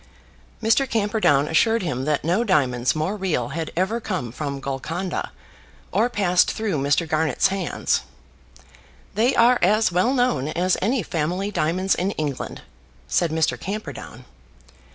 Mr. Camperdown assured him that no diamonds more real had ever come from Golconda, or passed through Mr. Garnett's hands. "They are as well known as any family diamonds in England," said Mr. Camperdown.